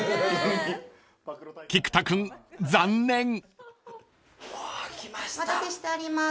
［菊田君残念］お待たせしております